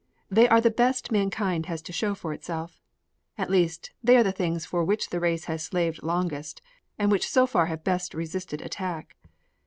They are the best mankind has to show for itself. At least they are the things for which the race has slaved longest and which so far have best resisted attack.